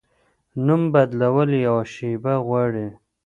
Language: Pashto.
نوم بدول یوه شیبه غواړي.